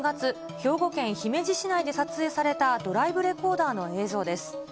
兵庫県姫路市内で撮影されたドライブレコーダーの映像です。